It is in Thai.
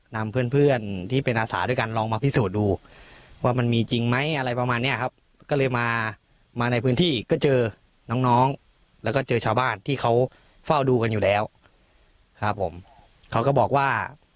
นำเพื่อนเพื่อนที่เป็นอาสาด้วยกันลองมาพิสูจน์ดูว่ามันมีจริงไหมอะไรประมาณเนี้ยครับก็เลยมามาในพื้นที่ก็เจอน้องน้องแล้วก็เจอชาวบ้านที่เขาเฝ้าดูกันอยู่แล้วครับผมเขาก็บอกว่า